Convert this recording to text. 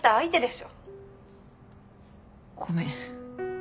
ごめん。